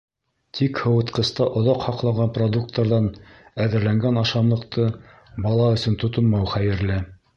Тик һыуытҡыста оҙаҡ һаҡланған продукттарҙан әҙерләнгән ашамлыҡты бала өсөн тотонмау хәйерле.